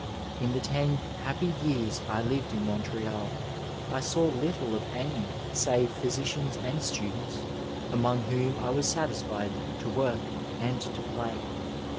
In the ten happy years I lived in Montreal I saw little of any save ph}rsicians and students, among whom I was satisfied to work — ^and to play.